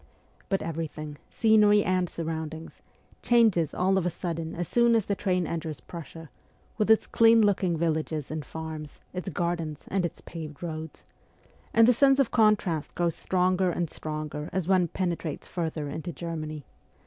But everything scenery FIRST JOURNEY ABROAD 51 and surroundings changes all of a sudden as soon as the train enters Prussia, with its clean looking villages and farms, its gardens, and its paved roads ; and the sense of contrast grows stronger and stronger as one penetrates further into Germany.